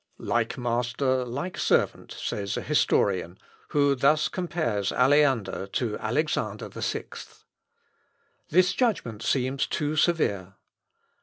"Like master like servant," says a historian, who thus compares Aleander to Alexander VI. This judgment seems too severe.